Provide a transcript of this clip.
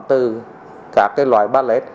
từ các loài bát lết